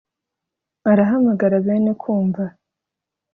arahamagara bene kumva